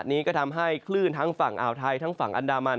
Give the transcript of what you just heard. นี้ก็ทำให้คลื่นทั้งฝั่งอ่าวไทยทั้งฝั่งอันดามัน